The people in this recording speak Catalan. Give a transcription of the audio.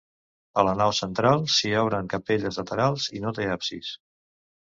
A la nau central s'hi obren capelles laterals i no té absis.